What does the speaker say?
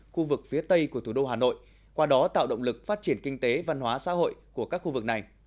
khu vực phía tây của thủ đô hà nội qua đó tạo động lực phát triển kinh tế văn hóa xã hội của các khu vực này